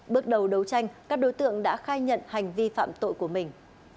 bước đầu đấu tranh các đối tượng đã khai nhận hành vi phạm tội của mình